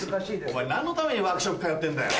お前何のためにワークショップ通ってんだよ。